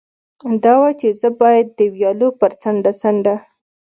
دا وه، چې زه باید د ویالو پر څنډه څنډه.